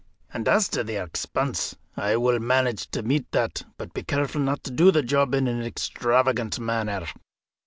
And as to the expense, I will manage to meet that; but be careful not to do the job in an extravagant manner.'"